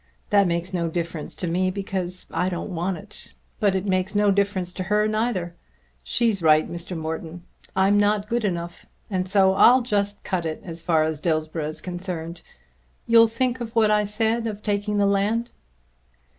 That makes no difference to me because I don't want it; but it makes no difference to her neither! She's right, Mr. Morton. I'm not good enough, and so I'll just cut it as far as Dillsborough is concerned. You'll think of what I said of taking the land?"